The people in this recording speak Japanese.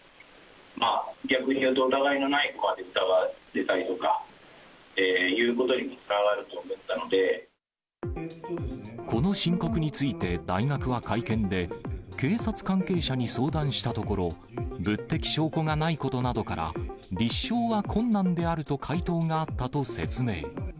これが誰なんだという疑いのない子まで、逆に言うと疑いのない子まで疑われたりとかというここの申告について大学は会見で、警察関係者に相談したところ、物的証拠がないことなどから、立証は困難であると回答があったと説明。